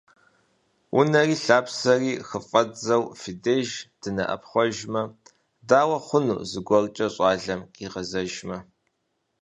Унэри лъапсэри хыфӀэддзэу, фи деж дынэӀэпхъуэжмэ, дауэ хъуну зыгуэркӀэ щӀалэм къигъэзэжмэ?